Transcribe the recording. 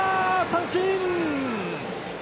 三振！